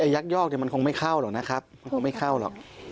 ยักยอกมันคงไม่เข้าหรอกนะครับมันคงไม่เข้าหรอก